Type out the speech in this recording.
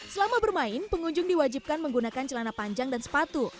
selama bermain pengunjung diwajibkan menggunakan celana panjang dan sepatu